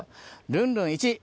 ルンルン１！